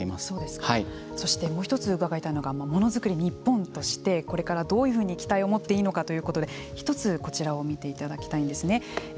そしてもう一つ伺いたいのがものづくり日本としてこれからどういうふうに期待を持っていいのかということで一つこちらを見ていただきたいんですね。